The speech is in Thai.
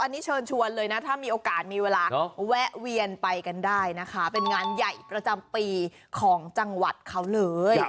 อันนี้เชิญชวนเลยนะถ้ามีโอกาสมีเวลาแวะเวียนไปกันได้นะคะเป็นงานใหญ่ประจำปีของจังหวัดเขาเลย